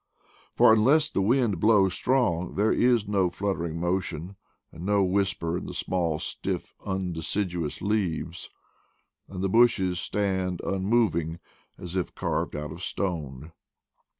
For unless the wind blows strong there is no flutter ing motion and no whisper in the small stiff un deciduous leaves; and the bushes stand unmov ing as if carved out of stone.